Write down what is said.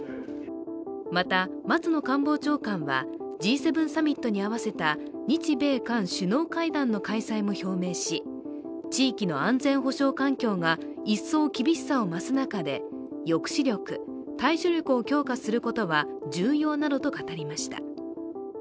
また、松野官房長官はＧ７サミットに合わせた日米韓首脳会談の開催も表明し地域の安全保障環境が一層厳しさを増す中で抑止力、対処力を強化することは重要などと語りました。